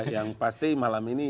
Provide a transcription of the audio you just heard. yang pasti malam ini